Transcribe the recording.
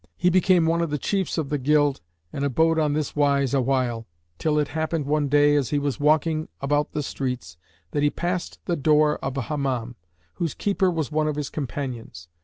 He became one of the chiefs of the guild and abode on this wise awhile, till it happened one day, as he was walking about the streets, that he passed the door of a Hammam, whose keeper was one of his companions.